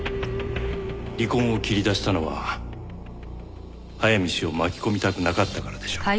離婚を切り出したのは早見氏を巻き込みたくなかったからでしょう。